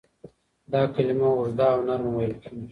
دا کلمه اوږده او نرمه ویل کیږي.